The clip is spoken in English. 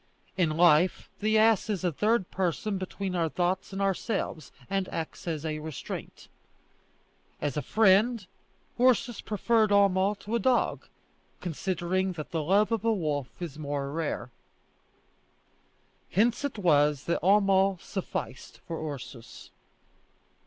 In life the ass is a third person between our thoughts and ourselves, and acts as a restraint. As a friend, Ursus preferred Homo to a dog, considering that the love of a wolf is more rare. Hence it was that Homo sufficed for Ursus.